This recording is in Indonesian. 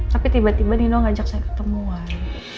tapi tiba tiba nino ngajak saya ketemuan